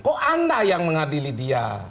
kok anda yang mengadili dia